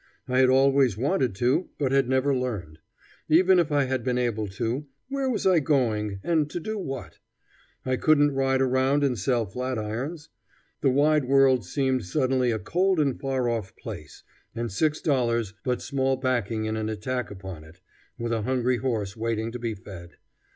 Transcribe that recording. I had always wanted to, but had never learned. Even if I had been able to, where was I going, and to do what? I couldn't ride around and sell flat irons. The wide world seemed suddenly a cold and far off place, and $6 but small backing in an attack upon it, with a hungry horse waiting to be fed.